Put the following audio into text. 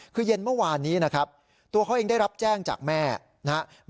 คือเย็นเมื่อวานนี้นะครับตัวเขาเองได้รับแจ้งจากแม่นะครับ